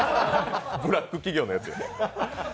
ブラック企業のやつや。